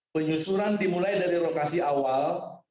penyusuran dimulai dari lokasi awal